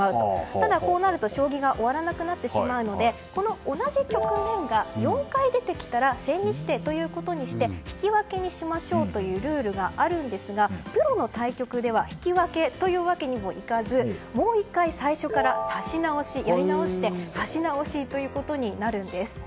ただ、こうなると将棋が終わらなくなってしまうのでこの同じ局面が４回出てきたら千日手ということにして引き分けにしましょうというルールがあるんですがプロの対局では引き分けというわけにもいかずもう１回、最初から指し直しやり直して指し直しということになるんです。